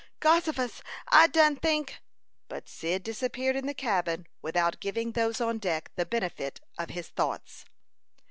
"Gossifus! I done think " But Cyd disappeared in the cabin without giving those on deck the benefit of his thoughts.